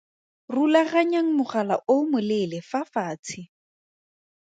Rulaganyang mogala o moleele fa fatshe.